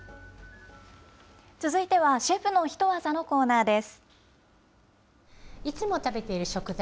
続いては、シェフのヒトワザのコーナーです。